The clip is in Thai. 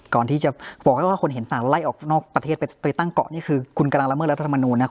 ก่อนที่จะบอกว่าคนเห็นสนามไล่ออกนอกประเทศไปตรีตั้งเกาะเนี่ยคือคุณกำลังละเมิดรัฐมนุษย์นะครับ